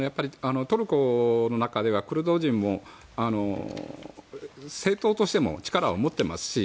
トルコの中ではクルド人も、政党としても力を持っていますし。